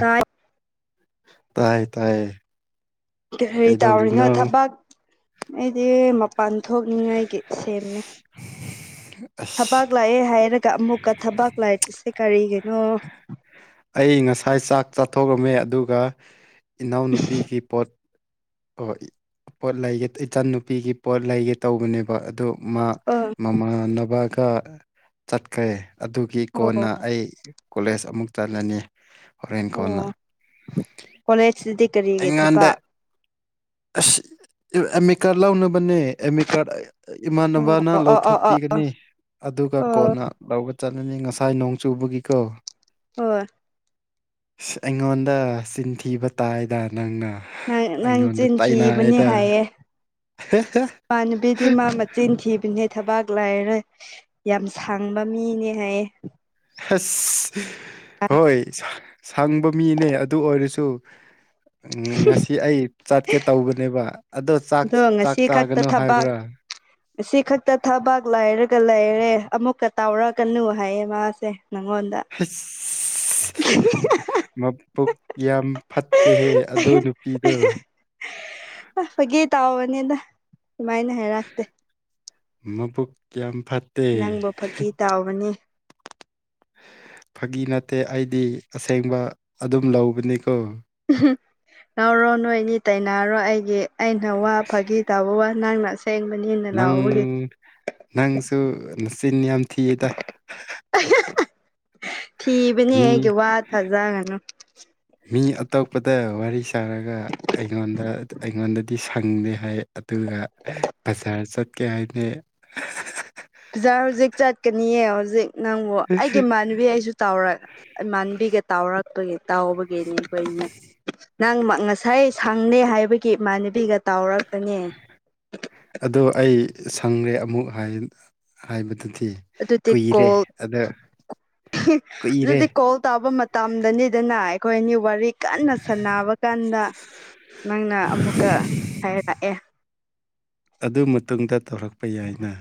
ꯇꯥꯏ ꯇꯥꯏꯌꯦ-ꯇꯥꯏꯌꯦ ꯀꯩ ꯍꯥꯏꯌꯤ ꯇꯥꯎꯔꯤꯅꯣ ꯊꯕꯛ ꯑꯩꯗꯤ ꯃꯄꯥꯟ ꯊꯣꯛꯅꯤꯡꯉꯥꯏꯒꯤ ꯁꯦꯝꯃꯦ ꯍ [inaudible] ꯊꯕꯥꯛ ꯂꯥꯛꯑꯦ ꯍꯥꯏꯔꯒ ꯑꯃꯨꯛꯀ ꯊꯕꯥꯛ ꯂꯩꯇ꯭ꯔꯤꯁꯦ ꯀꯔꯤꯒꯤꯅꯣ ꯑꯩ ꯉꯁꯥꯏ ꯆꯥꯛ ꯆꯥꯊꯣꯛꯑꯝꯃꯦ ꯑꯗꯨꯒ ꯏꯅꯥꯎꯅꯨꯄꯤꯒꯤ ꯄꯣꯠ ꯄꯣꯠ-ꯄꯣꯠ ꯂꯩꯒꯦ ꯏꯆꯟꯅꯨꯄꯤꯒꯤ ꯄꯣꯠ ꯂꯩꯒꯦ ꯇꯧꯕꯅꯦꯕ ꯑꯗꯨ ꯑ ꯃꯤ-ꯃꯥꯃꯥꯟꯅꯕꯒ ꯆꯠꯈ꯭ꯔꯦ ꯑꯗꯨ ꯒꯤ ꯑꯣ ꯀꯣꯟꯅ ꯑꯩ ꯀꯣꯂꯦꯖ ꯑꯃꯨꯛ ꯆꯠꯂꯥꯅꯤ ꯍꯣꯔꯦꯟ ꯀꯣꯟꯅ ꯑꯣ ꯀꯣꯂꯦꯖꯇꯗꯤ ꯀꯔꯤꯒꯤ ꯑꯦꯉꯥꯟꯗ ꯊꯕꯛ ꯑꯁ ꯑꯦꯝ ꯑꯤ ꯀꯥꯔꯗ ꯂꯧꯅꯕꯅꯦ ꯑꯦꯝ ꯑꯤ ꯀꯥꯔꯗ ꯏꯃꯥꯟꯅꯕꯅ ꯑꯣ ꯑꯣ ꯑꯣ ꯑꯣ ꯑꯣ ꯂꯧꯊꯣꯛꯄꯤꯒꯅꯤ ꯑꯗꯨꯒ ꯑꯣ ꯀꯣꯟꯅ ꯂꯧꯒ ꯆꯠꯂꯅꯤ ꯉꯥꯁꯥꯏ ꯅꯣꯡ ꯆꯨꯕꯒꯤꯀꯣ ꯍꯣꯏ ꯑꯁ ꯑꯩꯉꯣꯟꯗ ꯆꯤꯟꯊꯤꯕ ꯇꯥꯏꯗ ꯅꯪꯅ ꯪ ꯅꯪ ꯑꯩꯉꯣꯟꯗ ꯆꯤꯟꯊꯤꯕꯅꯦ ꯇꯥꯏꯅꯔꯦꯗ ꯍꯥꯏꯌꯦ ꯏꯃꯥꯟꯅꯕꯤꯗꯤ ꯃꯥ ꯆꯤꯟ ꯊꯤꯕꯅꯦ ꯊꯕꯥꯛ ꯂꯥꯏꯔ ꯌꯥꯝ ꯁꯥꯡꯕ ꯃꯤꯅꯦ ꯍꯥꯏꯌꯦ ꯑꯁ ꯍꯣꯏ ꯁꯪꯕ ꯃꯤꯅꯦ ꯑꯗꯨ ꯑꯣꯏꯔꯁꯨ ꯎ ꯉꯁꯤ ꯑꯩ ꯆꯠꯀꯦ ꯇꯧꯕꯅꯦꯕ ꯑꯗꯣꯥꯛ ꯆꯥꯛ ꯆꯥꯒꯅꯣ ꯍꯥꯏꯕ꯭ꯔꯥ [inaudible] ꯁꯤ ꯈꯛꯇ ꯊꯕꯥꯛ ꯂꯥꯏꯔꯒ ꯂꯩꯔꯦ ꯑꯃꯨꯛꯀ ꯇꯥꯎꯔꯛꯀꯅꯨ ꯍꯥꯏꯌꯦ ꯃꯥꯁꯦ ꯅꯪꯉꯣꯟꯗ ꯍꯤꯁ ꯃꯄꯨꯛ ꯌꯥꯝ ꯐꯠꯇꯦꯍꯦ ꯑꯗꯨ ꯅꯨꯄꯤꯗꯣ ꯐꯥꯒꯤ ꯇꯧꯕꯅꯤꯗ ꯗꯨꯃꯥꯏꯅ ꯍꯥꯏꯔꯥꯛꯇꯦ ꯃꯕꯨꯛ ꯌꯥꯝ ꯐꯠ ꯅꯪꯕꯨ ꯐꯥꯛꯀꯤ ꯇꯥꯎꯕꯅꯤ ꯐꯥꯒꯤ ꯅꯠꯇꯦ ꯑꯩꯗꯤ ꯑꯁꯦꯡꯕ ꯑꯗꯨꯝ ꯂꯧꯕꯅꯤꯀꯣ ꯎ ꯉꯧꯔꯣ ꯅꯣꯏꯅꯤ ꯇꯅꯥꯔꯣ ꯑꯩꯒꯤ ꯑꯩꯅ ꯋꯥ ꯐꯥꯒꯤ ꯇꯥꯕ ꯋꯥ ꯅꯪ ꯍꯦꯡ ꯃꯅꯤꯅ ꯅꯪ ꯂꯕꯒꯦ ꯅꯪꯁꯨ ꯅꯆꯤꯤꯟ ꯌꯥꯝ ꯊꯤꯌꯦꯗ ꯊꯤꯕꯅꯦ ꯃꯤ ꯑꯩꯒꯤ ꯋꯥ ꯐꯖꯒꯅꯨ ꯃꯤ ꯑꯇꯣꯞꯄꯗ ꯋꯥꯔꯤ ꯁꯥꯔꯒ ꯑꯩꯉꯣꯟꯗ ꯑꯩꯉꯣꯟꯗꯗꯤ ꯁꯪꯉꯦ ꯍꯥꯏ ꯑꯗꯨꯒ ꯕꯖꯥꯔ ꯆꯠꯀꯦ ꯍꯥꯏꯅ ꯕꯖꯥꯔ ꯍꯧꯖꯤꯛ ꯆꯠꯀꯅꯤꯌꯦ ꯍꯧꯖꯤꯛ ꯅꯪꯕꯨ ꯑꯩꯒꯤ ꯏꯃꯥꯟꯅꯕꯤ ꯑꯩꯁꯨ ꯇꯔꯛ ꯃꯥꯟꯕꯤꯒ ꯇꯥꯎꯔꯛꯄꯒꯤ ꯇꯥꯎꯕꯒꯤꯅꯦ ꯑꯩꯈꯣꯏꯅꯦ ꯅꯪ ꯉꯁꯥꯏ ꯁꯪꯅꯦ ꯍꯥꯏꯕꯒꯤ ꯏꯃꯥꯟꯅꯕꯤꯒ ꯇꯥꯎꯔꯛꯄꯅꯦ ꯑꯗꯣ ꯑꯩ ꯁꯪꯔꯦ ꯑꯃꯨꯛ ꯍꯥꯏꯕꯗꯨꯗꯤ ꯑꯗꯨꯗꯤ ꯀꯨꯏꯔꯦ ꯀꯣꯜ ꯑꯗ ꯑꯗꯨꯗꯤ ꯀꯨꯏꯔꯦ ꯀꯣꯜ ꯇꯥꯕ ꯃꯇꯝ ꯇꯝꯗꯅꯤꯗꯅ ꯑꯩꯈꯣꯏ ꯑꯅꯤ ꯋꯥꯔꯤ ꯀꯟꯅ ꯁꯥꯟꯅꯕ ꯀꯥꯟꯗ ꯅꯪꯅ ꯑꯃꯨꯛꯀ ꯍꯥꯏꯔꯛꯑꯦ ꯑꯗꯨ ꯃꯇꯨꯡꯗ ꯇꯧꯔꯛꯄ ꯌꯥꯏꯅ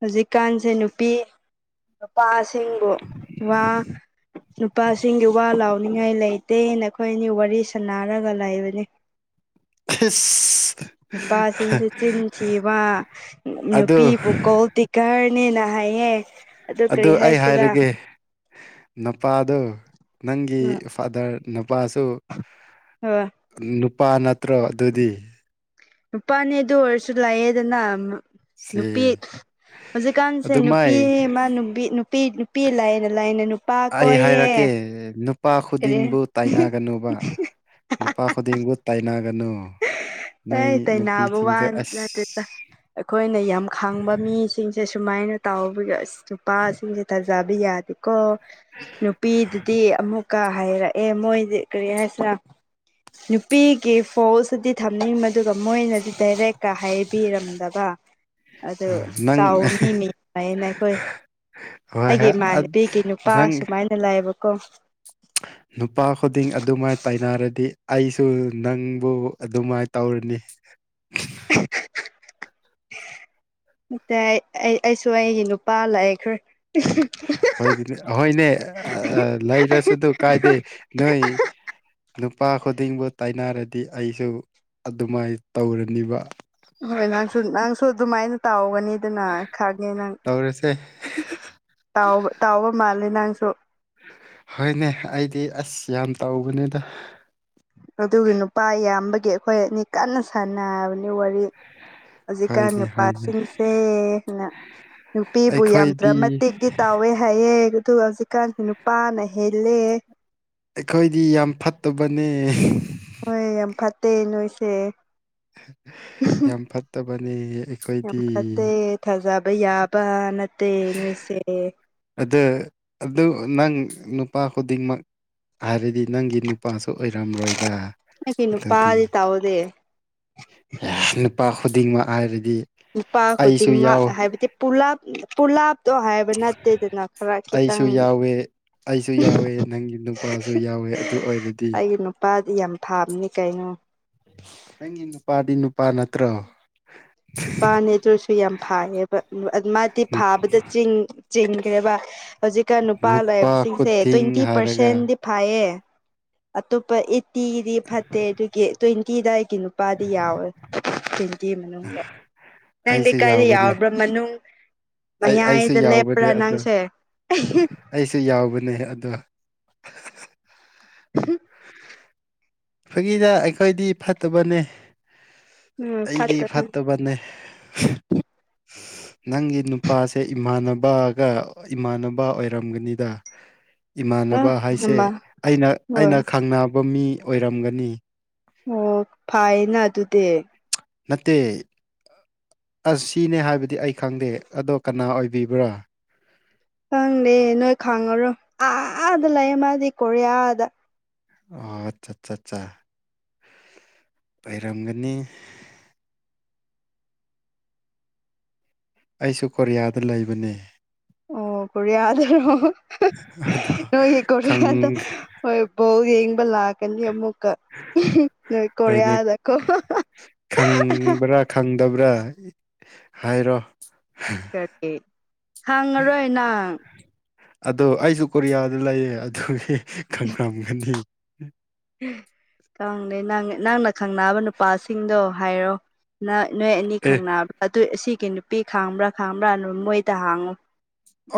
ꯍꯧꯖꯤꯛꯀꯥꯟꯁꯦ ꯅꯨꯄꯤ ꯅꯨꯄꯥꯁꯤꯡꯕꯨ ꯋꯥ ꯅꯨꯄꯥꯁꯤꯡꯒꯤ ꯋꯥ ꯂꯥꯎꯅꯤꯡꯉꯥꯏ ꯂꯩꯇꯦ ꯅꯈꯣꯏ ꯑꯅꯤ ꯋꯥꯔꯤ ꯁꯅꯔꯒ ꯂꯩꯕꯅꯤ ꯏꯁ [inaudible] ꯅꯨꯄꯥꯁꯤꯡꯁ ꯆꯤꯟ ꯊꯤꯕ ꯑꯗꯨ ꯅꯨꯄꯤꯕꯨ ꯇꯤꯀꯥꯔꯅꯦꯅ ꯍꯥꯏꯌꯦ ꯑꯗꯨ ꯀꯔꯤ ꯑꯩ ꯍꯥꯏꯁꯤꯔꯥ ꯍꯥꯏꯔꯒꯦ ꯅꯨꯄꯥꯗꯨ ꯅꯪꯒꯤ ꯎꯝ ꯐꯥꯗꯔ ꯅꯨꯄꯥꯁꯨ ꯍ ꯅꯨꯄꯥ ꯅꯠꯇ꯭ꯔꯣ ꯑꯗꯨꯗꯤ ꯅꯨꯄꯥꯅꯦ ꯑꯗꯨ ꯑꯣꯏꯔꯁꯨ ꯂꯥꯏꯌꯦꯗꯅ ꯅꯨꯄꯤ ꯁꯤ ꯍꯧꯖꯤꯛꯀꯥꯟꯁꯦ ꯑꯗꯨꯃꯥꯏ ꯅꯨꯄꯤꯃ ꯅꯨꯄꯤ ꯅꯨꯄꯤ ꯅꯨꯄꯤ ꯂꯥꯏꯅ ꯂꯥꯏꯅ ꯅꯨꯄꯤ ꯑꯩ ꯍꯥꯏꯔꯛꯀꯦ ꯅꯨꯄꯥ ꯀꯔꯤ ꯈꯨꯗꯤꯡꯕꯨ ꯇꯥꯏꯅꯒꯅꯨꯕ ꯅꯨꯄꯥ ꯈꯨꯗꯤꯡꯕꯨ ꯇꯥꯏꯅꯒꯅꯨ ꯅꯣꯏ ꯑꯥ ꯇꯥꯏꯅꯥꯕꯨ ꯋꯥ ꯅꯨꯄꯤꯁꯤꯡꯁꯦ ꯑꯁ ꯅꯠꯇꯦꯠꯇ ꯑꯩꯈꯣꯏꯅ ꯌꯥꯝ ꯈꯥꯡꯕ ꯃꯤꯁꯤꯡ ꯁꯦ ꯁꯨꯃꯥꯏꯅ ꯇꯥꯎꯕ ꯅꯨꯄꯥꯁꯤꯡꯁꯦ ꯊꯥꯖꯕ ꯌꯥꯗꯦ ꯀꯣ ꯅꯨꯄꯤꯗꯨꯗꯤ ꯑꯃꯨꯛ ꯀ ꯍꯥꯏꯔꯛꯑꯦ ꯃꯣꯏꯗꯤ ꯀꯔꯤ ꯍꯥꯏꯁꯤꯔ ꯅꯨꯄꯤꯒꯤ ꯐꯣꯁ ꯇꯨꯗꯤ ꯊꯝꯅꯤ ꯃꯗꯨꯒ ꯃꯣꯏꯅꯗꯤ ꯗꯥꯏꯔꯦꯛ ꯀ ꯍꯥꯏꯕꯤꯔꯝꯗꯕ ꯑꯗꯨ ꯅꯪ ꯆꯥꯎꯔ ꯃꯤ ꯃꯤ ꯍꯥꯏꯅ ꯑꯩꯈꯣꯏ ꯍꯣꯏ ꯑꯩꯒꯤ ꯍꯣꯏ ꯏꯃꯥꯟꯅꯕꯤꯒꯤ ꯅꯨꯄꯥ ꯅꯪ ꯁꯨꯃꯥꯏꯅ ꯂꯥꯛꯑꯕꯀꯣ ꯅꯨꯄꯥ ꯈꯨꯗꯤꯡ ꯑꯗꯨꯃꯥꯏꯅ ꯇꯥꯏꯅꯔꯗꯤ ꯑꯩꯁꯨ ꯅꯪꯕꯨ ꯑꯗꯨꯃꯥꯏꯅ ꯇꯧꯔꯅꯤ [unintelligible] ꯇꯦ ꯑꯩ ꯑꯩꯁꯨ ꯑꯩꯒꯤ ꯅꯨꯄꯥ ꯂꯩꯈꯔ꯭ꯦ ꯍꯣꯏꯅꯦ ꯂꯩꯔꯁꯨ ꯑꯗꯨ ꯀꯥꯏꯗꯦ ꯅꯣꯏ ꯅꯨꯄꯥ ꯈꯨꯗꯤꯡꯕꯨ ꯇꯥꯏꯅꯔꯗꯤ ꯑꯩꯁꯨ ꯑꯗꯨꯃꯥꯏꯅ ꯇꯧꯔꯅꯤꯕ ꯍꯣꯏ ꯅꯪꯁꯨ ꯅꯪꯁꯨ ꯑꯗꯨꯃꯥꯏꯅ ꯇꯥꯎꯒꯅꯤꯗꯅ ꯈꯪꯉꯦ ꯅꯪ ꯇꯧꯔꯁꯦ ꯇꯧ ꯇꯧꯕ ꯃꯥꯜꯂꯦ ꯅꯪꯁꯨ ꯍꯣꯏꯅꯦ ꯑꯩꯗꯤ ꯑꯁ ꯌꯥꯝ ꯇꯧꯕꯅꯤꯗ ꯑꯗꯨꯒꯤ ꯅꯨꯄꯥ ꯌꯥꯝꯕꯒꯤ ꯑꯩꯈꯣꯏ ꯑꯅꯤ ꯀꯟꯅ ꯁꯥꯟꯅꯕꯅꯦ ꯋꯥꯔꯤ ꯍꯧꯖꯤꯛꯀꯥꯟ ꯍꯣꯏꯅꯦ ꯍꯣꯏꯅꯦ ꯅꯨꯄꯥꯁꯤꯡꯁꯦꯅ ꯅꯨꯄꯤꯕꯨ ꯌꯥꯝ ꯑꯩꯈꯣꯏꯗꯤ ꯇꯔꯥꯃꯇꯤꯛꯇꯤ ꯇꯥꯎꯋꯦ ꯍꯥꯏꯌꯦꯦ ꯑꯗꯨꯒ ꯍꯧꯖꯤꯛꯀꯥꯟꯁ ꯅꯨꯄꯥꯅ ꯍꯦꯜꯂꯦ ꯑꯩꯈꯣꯏꯗꯤ ꯌꯥꯝ ꯐꯠꯇꯕꯅꯦ ꯍꯣꯏ ꯌꯥꯝ ꯐꯠꯇꯦ ꯅꯣꯏꯁꯦ ꯌꯥꯝ ꯐꯠꯇꯕꯅꯤ ꯌꯥꯝ ꯐꯠꯇꯦ ꯊꯥꯖꯕ ꯌꯥꯕ ꯅꯠꯇꯦ ꯅꯣꯏꯁꯦ ꯑꯗ ꯑꯗꯨ ꯅꯪ ꯅꯨꯄꯥ ꯈꯨꯗꯤꯡꯃꯛ ꯍꯥꯏꯔꯗꯤ ꯅꯪꯒꯤ ꯅꯨꯄꯥꯁꯨ ꯑꯣꯏꯔꯝꯔꯣꯏꯗ ꯑꯩꯒꯤ ꯑꯗꯨꯗꯤ ꯅꯨꯄꯥꯗꯤ ꯇꯧꯗꯦ [inaudible] ꯅꯨꯄꯥ ꯈꯨꯗꯤꯡꯃꯛ ꯍꯥꯏꯔꯗꯤ ꯅꯨꯄꯥ ꯑꯩꯁꯨ ꯈꯨꯗꯤꯡꯃꯛ ꯌꯥꯎ ꯍꯥꯏꯕꯗꯤ ꯄꯨꯂꯞ ꯄꯨꯂꯞ ꯇꯣ ꯍꯥꯏꯕ ꯅꯠꯇꯦꯗꯅ ꯈꯔ ꯈꯤꯇꯪ ꯑꯩꯁꯨ ꯌꯥꯎꯋꯦ ꯑꯩꯁꯨ ꯌꯥꯎꯋꯦ ꯅꯪꯒꯤ ꯅꯨꯄꯥꯁꯨ ꯌꯥꯎꯋꯦ ꯑꯗꯨ ꯑꯣꯏꯔꯗꯤ ꯑꯩꯒꯤ ꯅꯨꯄꯥꯗꯤ ꯌꯥꯝ ꯐꯥꯕꯅꯤ ꯀꯩꯅꯣ ꯅꯪꯒꯤ ꯅꯨꯄꯥꯗꯤ ꯅꯨꯄꯥ ꯅꯠꯇ꯭ꯔꯣ ꯅꯨꯄꯥꯅꯦ ꯑꯗꯨ ꯑꯣꯏꯔꯁꯨ ꯌꯥꯝ ꯐꯥꯏꯌꯦꯕ ꯃꯥꯗꯤ ꯐꯥꯕꯗ ꯆꯤꯡ ꯆꯤꯡꯈ꯭ꯔꯦꯕ ꯍꯧꯖꯤꯛꯀꯥꯟ ꯅꯨꯄꯥ ꯂꯥꯏꯕꯁꯤꯡꯁꯦ ꯈꯨꯗꯤꯡ ꯇ꯭ꯋꯦꯟꯇꯤ ꯍꯥꯏꯔꯒ ꯄꯥꯔꯁꯦꯟꯗꯤ ꯐꯩꯌꯦ ꯑꯇꯣꯞꯄ ꯑꯦꯠꯇꯤꯒꯤꯗꯤ ꯐꯠꯇꯦ ꯑꯗꯨꯒꯤ ꯇ꯭ꯋꯦꯟꯇꯤꯗ ꯑꯩꯒꯤ ꯅꯨꯄꯥꯗꯤ ꯌꯥꯎꯋꯦ ꯊꯦꯟꯇꯤ ꯃꯅꯨꯡꯗ ꯅꯪꯗꯤ ꯑꯩꯁꯨ ꯀꯥꯏꯗ ꯌꯥꯎꯕꯅꯦ ꯌꯥꯎꯔꯕ꯭ꯔꯥ ꯃꯅꯨꯡ ꯑꯩ ꯑꯩꯁꯨ ꯃꯌꯥꯏꯗ ꯂꯦꯞꯄ꯭ꯔꯥ ꯌꯥꯎꯕꯅꯦ ꯑꯗꯣ ꯅꯪꯁꯦ ꯑꯩꯁꯨ ꯌꯥꯎꯕꯅꯦ ꯑꯗꯣ [unintelligible] ꯐꯒꯤꯗ ꯑꯩꯈꯣꯏꯗꯤ ꯐꯠꯇꯕꯅꯦ ꯎꯝ ꯑꯩꯗꯤ ꯐꯠꯇꯅ ꯐꯠꯇꯕꯅꯦ ꯅꯪꯒꯤ ꯅꯨꯄꯥꯁꯦ ꯏꯃꯥꯟꯅꯕꯒ ꯏꯃꯥꯟꯅꯕ ꯑꯣꯏꯔꯝꯒꯅꯤꯗ [inaudible] ꯑ ꯏꯃꯥꯟꯅꯕ ꯍꯥꯏꯁꯦ ꯍꯃ ꯑꯩꯅ ꯍꯣꯏ ꯑꯩꯅ ꯈꯪꯅꯕ ꯃꯤ ꯑꯣꯏꯔꯝꯒꯅꯤ ꯑꯣ ꯐꯥꯏꯅ ꯑꯗꯨꯗꯤ ꯅꯠꯇꯦ ꯑꯁ ꯁꯤꯅꯦ ꯍꯥꯏꯕꯗꯤ ꯑꯩ ꯈꯪꯗꯦ ꯑꯗꯣ ꯀꯅꯥ ꯑꯣꯏꯕꯤꯕ꯭ꯔꯥ ꯈꯪꯗꯦ ꯅꯣꯏ ꯈꯪꯉꯔꯣ ꯑꯥꯗ ꯂꯩꯌꯦ ꯃꯥꯗꯤ ꯀꯣꯔꯤꯌꯥꯗ ꯑꯣ ꯆ ꯆꯥ ꯆꯥ ꯂꯩꯔꯝꯒꯅꯤ ꯑꯩꯁꯨ ꯀꯣꯔꯤꯌꯥꯗ ꯂꯩꯕꯅꯦ ꯑꯣ ꯀꯣꯔꯤꯌꯥꯗꯔꯣ ꯑꯗꯣ ꯅꯣꯏꯒꯤ ꯀꯣꯔꯤꯌꯥꯗ ꯈꯪ ꯍꯣꯏ ꯕꯣꯜ ꯌꯦꯡꯕ ꯂꯥꯛꯀꯅꯤ ꯑꯃꯨꯛ ꯅꯣꯏ ꯍꯥꯏꯗꯤ ꯀꯔꯤꯌꯥꯗꯀꯣ [unintelligible] ꯈꯪꯕ꯭ꯔꯥ ꯈꯪꯗꯕ꯭ꯔꯥ ꯍꯥꯏꯔꯣ ꯈꯪꯉꯔꯣꯏ ꯅꯪ ꯑꯗꯣ ꯑꯩꯁꯨ ꯀꯣꯔꯤꯌꯥꯗ ꯂꯩꯌꯦ ꯑꯗꯨꯒꯤ ꯈꯪꯉꯝꯒꯅꯤ ꯀꯗꯦ ꯅꯪꯅ ꯈꯪꯅꯕ ꯅꯨꯄꯥꯁꯤꯡꯗꯣ ꯍꯥꯏꯔꯛꯑꯣ ꯅ ꯅꯣꯏ ꯑꯅꯤ ꯑꯦ ꯈꯪꯅꯕ꯭ꯔꯥ ꯑꯗꯨ ꯑꯁꯤꯒꯤ ꯅꯨꯄꯤ ꯈꯥꯡꯕ꯭ꯔꯥ ꯈꯥꯡꯕ꯭ꯔꯥ ꯅ ꯃꯣꯏꯗ ꯍꯥꯡꯉꯨ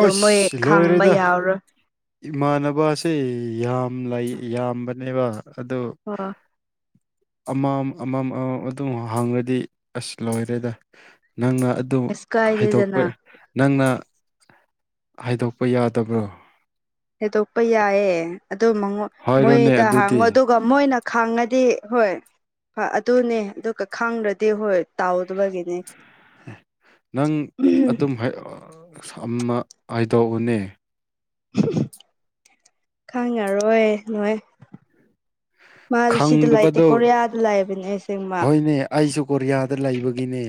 ꯑꯣ ꯃꯣꯏ ꯑꯁ ꯈꯪꯕ ꯂꯣꯏꯔꯦꯗ ꯌꯥꯎꯔꯣꯏ ꯏꯃꯥꯟꯅꯕꯁꯦ ꯌꯥꯝ ꯌꯥꯝꯕꯅꯦꯕ ꯑ ꯑꯣ ꯑꯃꯝ ꯑꯃꯝ ꯑꯃꯝ ꯑꯗꯨꯝ ꯍꯥꯡꯉꯗꯤ ꯑꯁ ꯂꯣꯏꯔꯦꯗ ꯅꯪꯅ ꯑꯗꯨ ꯑꯁ ꯍꯥꯏꯗꯣꯛꯄ ꯀꯥꯏꯗꯦꯗꯅ ꯅꯪꯅ ꯍꯥꯏꯗꯣꯛꯄ ꯌꯥꯗꯕ꯭ꯔꯣ ꯊꯦꯗꯣꯛꯄ ꯌꯥꯏꯌꯦꯦ ꯑꯗꯨꯉ ꯍꯥꯏꯔꯣꯅꯦ ꯃꯣꯏꯗ ꯍꯥꯡꯉꯣ ꯑꯗꯨꯗꯤ ꯑꯗꯨ ꯑꯗꯨꯒ ꯃꯣꯏꯅ ꯈꯥꯡꯉꯗꯤ ꯍꯣꯏ ꯍꯣꯏ ꯑꯗꯨꯅꯦ ꯑꯗꯨ ꯀ ꯈꯥꯡꯗ꯭ꯔꯗꯤ ꯍꯣꯏ ꯇꯥꯎꯗꯕꯒꯤꯅꯤ ꯅꯪ ꯑꯗꯨꯝ [unintelligible] [unintelligible] ꯈꯪꯉꯔꯣꯏ ꯅꯣꯏ ꯃꯥꯗꯤ ꯁꯤꯗ ꯂꯩꯇꯦ ꯈꯪꯗꯕꯗꯣ ꯀꯣꯔꯤꯌꯥꯗ ꯂꯩꯕꯅꯦ ꯑꯁꯦꯡꯃ ꯍꯣꯏꯅꯦ ꯑꯩꯁꯨ ꯀꯣꯔꯤꯌꯥꯗ ꯂꯩꯕꯒꯤꯅꯦ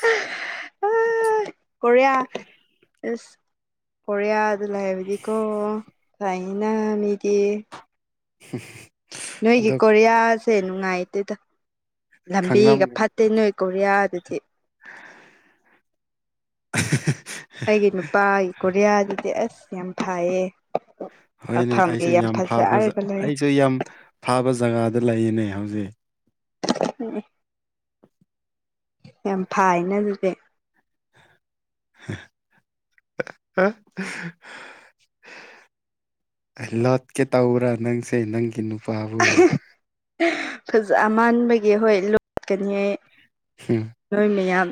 [inaudible] ꯀꯣꯔꯤꯌꯥ ꯑꯁ ꯀꯣꯔꯤꯌꯥꯗ ꯂꯩ ꯍꯥꯏꯕꯗꯤꯀꯣ ꯐꯩꯏꯅ ꯃꯤꯗꯤ [unintelligible] ꯅꯣꯏꯒꯤ ꯑꯗꯣ ꯀꯣꯔꯤꯌꯥꯁꯦ ꯅꯨꯡꯉꯥꯏꯇꯦꯗ ꯈꯪꯂꯝ ꯂꯝꯕꯤꯒ ꯐꯠ ꯇꯦ ꯅꯣꯏ ꯀꯣꯔꯤꯌꯥꯗꯨꯗꯤ [inaudible] ꯑꯩꯒꯤ ꯅꯨꯄꯥꯒꯤ ꯀꯣꯔꯤꯌꯥꯗꯨꯗꯤ ꯑꯁ ꯌꯥꯝ ꯊꯥꯏꯌꯦ ꯍꯣꯏꯅꯦ ꯑꯩꯁꯨ ꯌꯥꯝ ꯐꯥꯕ ꯂꯩ ꯑꯩꯁꯨ ꯌꯥꯝ ꯐꯥꯕ ꯖꯒꯥꯗ ꯂꯩꯌꯦꯅꯦ ꯍꯧꯖꯤꯛ ꯎ ꯌꯥꯝ ꯐꯥꯏꯅꯦ ꯑꯗꯨꯗꯤ ꯑ ꯂꯣꯠꯀꯦ ꯇꯔꯥ ꯅꯪꯁꯦ ꯅꯪꯒꯤ ꯅꯨꯄꯥꯕꯨ ꯐꯖ ꯃꯥꯟꯕꯒꯤ ꯍꯣꯏ ꯂꯣꯠꯀꯅꯤ ꯍꯥꯏ ꯍ ꯅꯣꯏ ꯃꯌꯥꯝ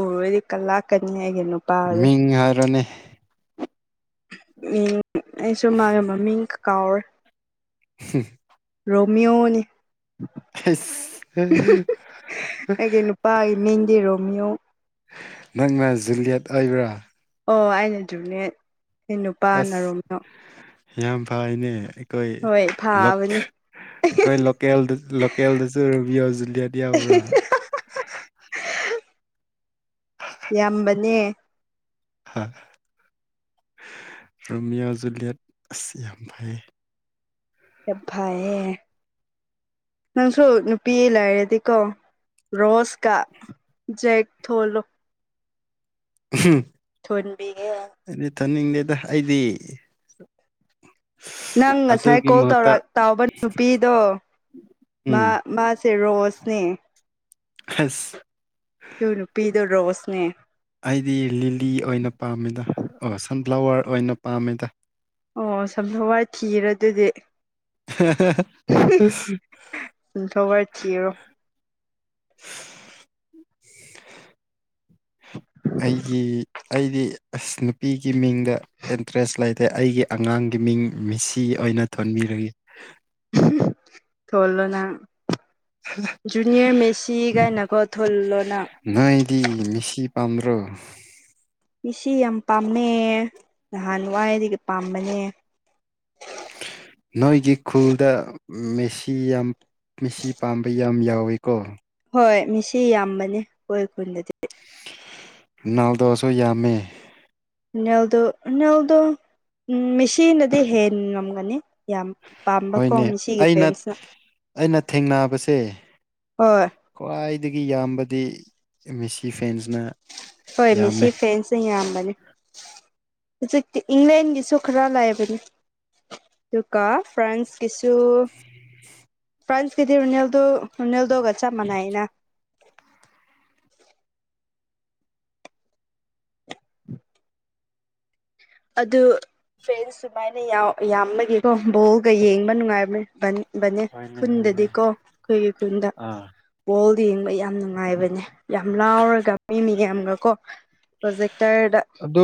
ꯎꯔꯔꯗꯤ ꯀ ꯂꯥꯛꯀꯅꯤ ꯍꯥꯏꯒꯅꯣ ꯃꯤꯡ ꯍꯥꯏꯔꯅꯤ ꯎꯝ ꯑꯩꯁꯨ ꯃꯥꯒꯤ ꯃꯃꯤꯡ ꯀꯀꯥꯎꯔꯦ ꯍ ꯔꯣꯃꯤꯌꯣꯅꯤ ꯑꯁ ꯑꯩꯒꯤ ꯅꯨꯄꯥꯒꯤ ꯃꯤꯡꯗꯤ ꯔꯣꯃꯤꯌꯣ ꯅꯪꯅ ꯖꯨꯂꯤꯌꯥꯂꯤꯌꯥꯠ ꯑꯣꯏꯕ꯭ꯔꯥ ꯑꯣ ꯑꯩꯅ ꯖꯅꯦ ꯑꯩ ꯅꯨꯄꯥ ꯑꯁ ꯅꯔꯣꯝꯅ ꯌꯥꯝ ꯐꯩꯅꯦ ꯑꯩꯈꯣꯏ ꯍꯣꯏ ꯐꯥꯕꯅꯦ ꯑꯩꯈꯣꯏ ꯂꯀꯦꯜ ꯂꯦꯜ ꯗꯁꯨ ꯔꯃꯤꯌꯖꯂꯤꯌꯥ ꯗꯌꯥ ꯄꯨ ꯌꯥꯝꯌꯥꯝꯕꯅꯦ ꯔꯣꯃꯤꯌꯣꯖꯂꯤꯌꯥꯠ ꯑꯁ ꯌꯥꯝ ꯐꯥꯏ ꯑꯦꯚꯑꯌꯦ ꯅꯪꯁꯨ ꯅꯨꯄꯤ ꯂꯥꯏꯔꯗꯤꯀꯣ ꯔꯣꯁꯀ ꯖꯦꯛ ꯊꯣꯜꯂꯣ ꯍ ꯊꯣꯟꯕꯤꯒꯦ ꯑꯩꯗꯤ ꯊꯝꯅꯤꯡꯗꯦꯗ ꯑꯩꯗꯤ ꯅꯪ ꯉꯁꯥꯏ ꯑꯗꯨꯒꯤ ꯀꯣꯜ ꯃꯍꯨꯠꯇ ꯇꯧꯔ ꯇꯥꯎꯕ ꯅꯨꯄꯤꯗꯣ ꯃꯥ ꯎꯝ ꯃꯥꯁꯦ ꯔꯣꯁꯅꯦ ꯈꯁ ꯑꯗꯨ ꯅꯨꯄꯤꯗꯣ ꯔꯣꯁꯅꯦ ꯑꯩꯗꯤ ꯂꯤꯂꯤ ꯑꯣꯏꯅ ꯄꯥꯝꯃꯤꯗ ꯑꯣ ꯁꯟꯐ꯭ꯂꯥꯋꯔ ꯑꯣꯏꯅ ꯄꯥꯝꯃꯤꯗ ꯑꯣ ꯁꯝ ꯍꯋꯥꯏ ꯊꯤꯔꯦ ꯑꯗꯨꯗꯤ [inaudible] ꯁꯤ ꯊ ꯋꯥꯔ ꯊꯤꯔꯣ ꯑꯩꯒꯤ ꯑꯩꯗꯤ ꯑꯁ ꯅꯨꯄꯤꯒꯤ ꯃꯤꯡꯗ ꯏꯟꯇꯔꯦꯁ ꯂꯩꯇꯦ ꯑꯩꯒꯤ ꯑꯉꯥꯡꯒꯤ ꯃꯤꯡ ꯃꯤꯁꯤ ꯑꯣꯏꯅ ꯊꯣꯟꯕꯤꯔꯒ ꯊꯂꯣꯅ ꯖꯨꯅꯤꯌꯔ ꯃꯦꯁꯤꯒꯥꯏꯅꯀꫭ ꯊꯨꯜꯂꯣꯅꯪ ꯅꯣꯏꯗꯤ ꯃꯤꯁꯤ ꯄꯝ꯭ꯕꯔꫭ ꯃꯤꯁꯤ ꯌꯥꯝ ꯄꯥꯝꯅꯩ ꯅꯍꯥꯟꯋꯥꯏꯗꯒꯤ ꯄꯥꯝꯕꯅꯦ ꯅꯣꯏꯒꯤ ꯈꯨꯜꯗ ꯃꯦꯁꯤ ꯌꯥꯝ ꯃꯤ ꯄꯥꯝꯕ ꯌꯥꯝ ꯌꯥꯎꯏꯤꯀꯣ ꯍꯣꯏ ꯃꯤꯁꯤ ꯌꯥꯝꯕꯅꯦ ꯑꯩꯣꯏ ꯈꯨꯨꯟꯗꯗꯤ ꯅꯧꯗꯣꯁꯣꯃꯦ ꯅꯦꯜꯗꯣ ꯅꯜꯗꯣ ꯎꯝ ꯃꯦꯆꯗꯗꯤ ꯍꯦꯟ ꯉꯝꯒꯅꯤ ꯌꯥꯝ ꯄꯥꯝꯕꯀꯣ ꯍꯣꯏꯅꯦ ꯃꯤꯁꯤꯒꯤ ꯑꯩꯅ ꯐ꯭ꯔꯦꯟꯁꯅ ꯑꯩꯅ ꯊꯦꯡꯅꯕꯁꯦ ꯍꯣꯏ ꯈ꯭ꯋꯥꯏꯗꯒꯤ ꯌꯥꯝꯕꯗꯤ ꯁꯤ ꯐꯦꯟꯁꯅ ꯍꯣꯏ ꯃꯤ ꯁꯤ ꯌꯥꯝꯃꯦ ꯐꯦꯟꯁꯅ ꯌꯥꯝꯕꯅꯤ ꯍꯧꯖꯤꯛꯇꯤ ꯏꯪꯂꯦꯟꯒꯤꯁꯨ ꯈꯔ ꯂꯥꯛꯑꯕꯅꯤ ꯑꯗꯨꯒ ꯐ꯭ꯔꯥꯟꯁ ꯀꯁꯨ ꯄ꯭ꯔꯥꯏꯁꯀꯤꯗꯤ ꯔꯨꯅꯤꯜꯗ ꯔꯨꯅꯤꯜꯗꯣꯒ ꯆ ꯃꯅꯥꯏꯅ ꯑꯗꯨ ꯐ꯭ꯔꯦꯟ ꯁꯨꯃꯥꯏꯅ ꯌꯥꯝꯕꯒꯤꯀꯣ ꯕꯣꯜꯒ ꯌꯦꯡꯕ ꯅꯨꯡꯉꯥꯏꯕꯕꯅꯤ ꯕꯅꯦ ꯍꯣꯏꯅꯦ ꯍꯣꯏꯅꯦ ꯈꯨꯟꯗꯗꯤꯀꯣ ꯑꯩꯈꯣꯏꯒꯤ ꯈꯨꯟꯗ ꯑꯥ ꯕꫭꯜꯗꯤ ꯌꯦꯡꯕ ꯌꯥꯝ ꯅꯨꯡꯉꯥꯏꯕꯅꯦ ꯌꯥꯝ ꯂꯥꯎꯔꯒ ꯃꯤ ꯃꯤ ꯌꯥꯝꯒꯀꯣ ꯄ꯭ꯔꯣꯖꯦꯛꯇꯔꯗ ꯑꯗꯨ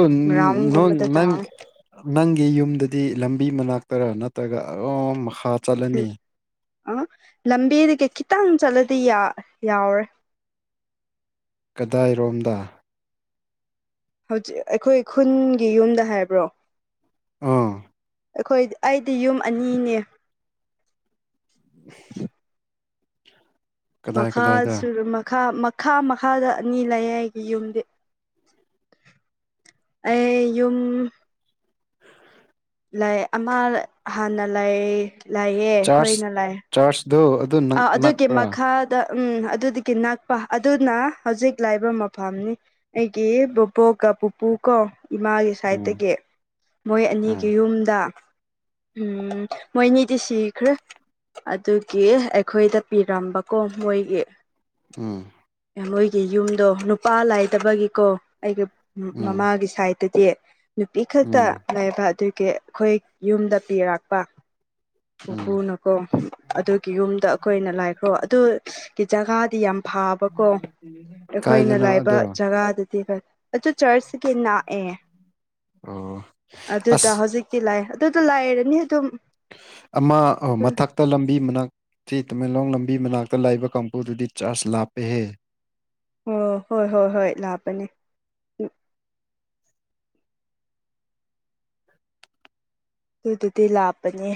ꯅꯣꯟ ꯒ꯭ꯔꯥꯎꯟꯒꯨꯝꯕꯗ ꯅꯪ ꯇꯥꯎ ꯅꯪꯒꯤ ꯌꯨꯝꯗꯗꯤ ꯂꯝꯕꯤ ꯃꯅꯥꯛꯇꯔ ꯅꯠꯇ꯭ꯔꯒ ꯑꯣꯝ ꯃꯈꯥ ꯆꯠꯂꯅꯤ ꯑ ꯂꯝꯕꯤꯗ ꯀꯩ ꯈꯤꯇꯪ ꯆꯠꯂꯗꯤ ꯌꯥꯎꯔꯦ ꯀꯗꯥꯏꯔꯣꯝꯗ ꯍꯧꯖꯤꯛ ꯑꯩꯈꯣꯏ ꯈꯨꯟꯒꯤ ꯌꯨꯝꯗ ꯍꯥꯏꯕ꯭ꯔꯣ ꯑꯥ ꯑꯩꯈꯣꯏ ꯑꯩꯗꯤ ꯌꯨꯝ ꯑꯅꯤꯅꯦ [inaudible] ꯀꯗꯥꯏ ꯃꯈꯥ ꯀꯗꯥꯏꯗ ꯃꯈꯥ ꯃꯈꯥ ꯃꯈꯥꯗ ꯑꯅꯤ ꯂꯩꯌꯦ ꯑꯩꯒꯤ ꯌꯨꯝꯗꯤ ꯑꯩ ꯌꯨꯝ ꯂꯩ ꯑꯃ ꯍꯥꯟꯅ ꯂꯩ ꯂꯩꯌꯦ ꯑꯩꯈꯣꯏꯅ ꯂꯩ ꯆꯥꯔꯁꯗꫭ ꯑꯥ ꯑꯗꯨꯒꯤ ꯃꯈꯥ ꯗ ꯎꯝ ꯑꯗꯨꯗꯒꯤ ꯅꯛꯄ ꯑꯗꯨꯅ ꯍꯧꯖꯤꯛ ꯂꯩꯕ ꯃꯐꯝꯅꯤ ꯑꯩ ꯀꯤ ꯕꫭꯕꫭꯛ ꯀꯥ ꯄꯨꯄꯨ ꯀꯣ ꯏꯃꯥꯒꯤ ꯎꯝ ꯁꯥꯏꯠꯇꯒꯤ ꯃꯣꯏ ꯎꯝ ꯑꯅꯤꯒꯤ ꯌꯨꯝꯗ ꯎꯝ ꯃꯣꯏꯅꯤꯗꯤ ꯁꯤꯈ꯭ꯔꯦ ꯑꯗꯨꯒꯤ ꯑꯩꯈꯣꯏꯗ ꯄꯤꯔꯝꯕꯀꯣ ꯃꯣꯏꯒꯤ ꯎꯝ ꯃꯣꯏꯒꯤ ꯌꯨꯝꯗꯣ ꯅꯨꯄꯥ ꯂꯥꯏꯗꯕꯒꯤꯀꯣ ꯑꯩꯒꯤ ꯎꯝ ꯃꯃꯥꯒꯤ ꯁꯥꯏꯗꯠꯇꯗꯤ ꯅꯨꯄꯤ ꯈꯛꯇ ꯎꯝ ꯂꯩꯕ ꯑꯗꯨꯒꯤ ꯑꯩꯈꯣꯏ ꯌꯨꯝꯗ ꯄꯤꯔꯛꯄ ꯎꯝ ꯄꯨꯄꯨꯅꯀꯣ ꯑꯗꯨꯒꯤ ꯌꯨꯝ ꯑꯩꯈꯣꯏꯅ ꯂꯥꯏꯈ꯭ꯔꯣ ꯑꯗꯨꯒꯤ ꯖꯒꯥꯗꯤ ꯌꯥꯝ ꯐꯥꯕꯀꯣ ꯑꯩꯈꯣꯏꯅ ꯀꯥꯏꯗꯅꯣ ꯂꯥꯏꯕ ꯑꯗꯣ ꯖꯒꯥꯗꯗꯤ ꯑꯆꯥ ꯆꯔꯆ ꯀꯅꯥ ꯑꯦ ꯑꯣ ꯑꯗꯨꯗ ꯑꯁ ꯍꯧꯖꯤꯛꯇꯤ ꯂꯩꯑꯦ ꯑꯗꯨꯗ ꯂꯩꯔꯅꯤ ꯑꯗꯨꯝ ꯑꯃ ꯃꯊꯛ ꯍꯛꯇ ꯂꯝꯕꯤ ꯃꯅꯥꯛꯁꯤ ꯇꯃꯦꯡꯂꯣꯡ ꯂꯝꯕꯤ ꯃꯅꯥꯛꯇ ꯂꯥꯛꯏꯕ ꯀꯥꯡꯕꯨꯗꯨꯗꯤ ꯆꯥꯔꯖ ꯂꯥꯞꯄꯦꯍꯦ ꯑꯣ ꯍꯣꯏ ꯍꯣꯏ ꯍꯣꯏ ꯂꯥꯛꯄꯅꯤ ꯑꯗꯨꯗꯨꯗꯤ ꯂꯥꯛꯞꯄꯅꯦ